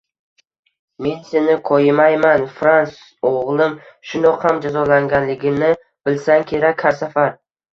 Men seni koyimayman, Frans, o`g`lim, shundoq ham jazolanganligingni bilsang kerak… Har safar